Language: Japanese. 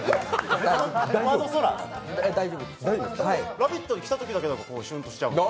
「ラヴィット！」に来たときだけシュンとしちゃうんです。